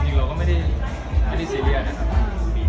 จริงเราก็ไม่ได้ซีเรียสนะครับ